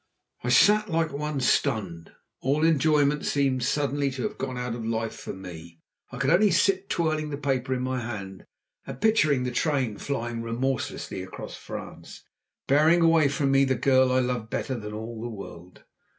I sat like one stunned. All enjoyment seemed suddenly to have gone out of life for me. I could only sit twirling the paper in my hand and picturing the train flying remorselessly across France, bearing away from me the girl I loved better than all the world.